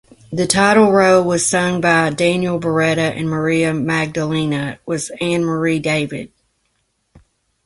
The title role was sung by Daniel Beretta, and Maria Magdalena was Anne-Marie David.